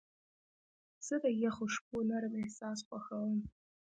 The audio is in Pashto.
زه د یخو شپو نرم احساس خوښوم.